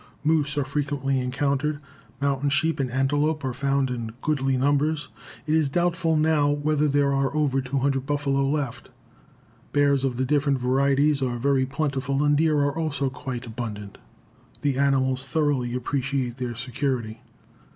Moose are frequently encountered. Mountain sheep and antelope are found in goodly numbers. It is doubtful now whether there are over 200 buffalo left. Bears of the different varieties are very plentiful and deer are also quite abundant. The animals thoroughly appreciate their security.